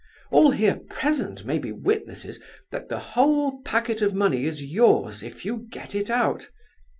All here present may be witnesses that the whole packet of money is yours if you get it out.